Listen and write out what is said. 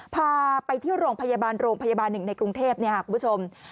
พาไปที่โรงพยาบาล๑ในกรุงเทพฯคุณผู้ชม